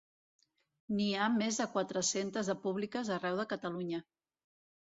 N'hi ha més de quatre-centes de públiques arreu de Catalunya.